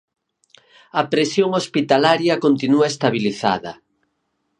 A presión hospitalaria continúa estabilizada.